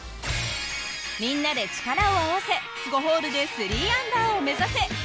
みんなで力を合わせ５ホールで３アンダーを目指せ。